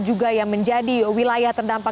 juga yang menjadi wilayah terdampak